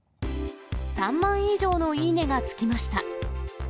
３万以上のいいねがつきました。